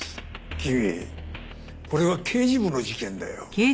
君これは刑事部の事件だよ。